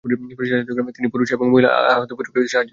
তিনি, পুরুষ এবং মহিলা আহত পুত্রকে সাহায্যের জন্য নিয়ে যান।